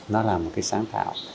nó là một cái sáng tạo